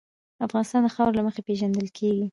افغانستان د خاوره له مخې پېژندل کېږي.